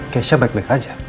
keisha baik baik aja